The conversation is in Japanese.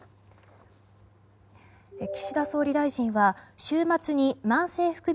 岸田総理大臣は週末に慢性副鼻腔